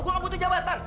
gue gak butuh jabatan